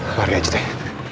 mari aja deh